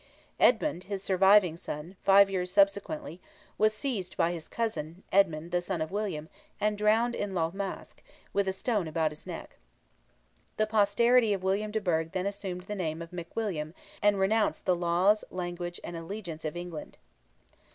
Edmond, his surviving son, five years subsequently, was seized by his cousin, Edmond, the son of William, and drowned in Lough Mask, with a stone about his neck. The posterity of William de Burgh then assumed the name of McWilliam, and renounced the laws, language, and allegiance of England.